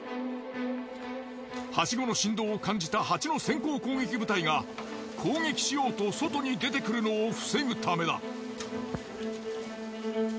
はしごの振動を感じたハチの先行攻撃部隊が攻撃しようと外に出てくるのを防ぐためだ。